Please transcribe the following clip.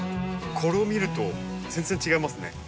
これを見ると全然違いますね。